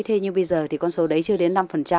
thế nhưng bây giờ thì con số đấy chưa đến năm